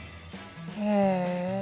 へえ。